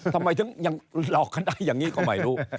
ทำไมถึงหลอกกันได้อย่างนี้ก่อนใหม่ลูก